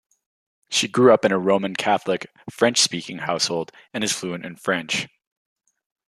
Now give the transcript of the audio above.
She grew up in a Roman Catholic, French-speaking household, and is fluent in French.